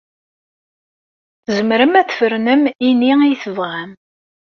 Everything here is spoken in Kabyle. Tzemrem ad tfernem ini ay tebɣam.